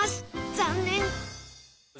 残念！